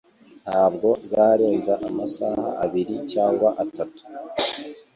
Ntabwo nzarenza amasaha abiri cyangwa atatu